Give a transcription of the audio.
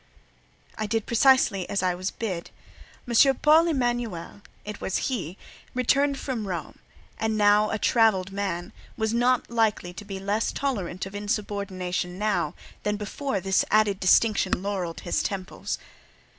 I did precisely as I was bid. M. Paul Emanuel (it was he) returned from Rome, and now a travelled man, was not likely to be less tolerant of insubordination now, than before this added distinction laurelled his temples.